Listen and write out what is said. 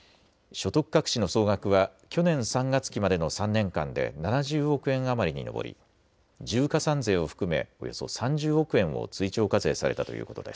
所得隠しの総額は去年３月期までの３年間で７０億円余りに上り重加算税を含めおよそ３０億円を追徴課税されたということです。